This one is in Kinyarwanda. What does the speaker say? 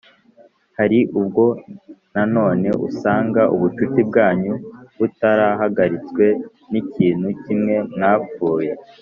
Hari ubwo nanone usanga ubucuti bwanyu butarahagaritswe n ikintu kimwe mwapfuye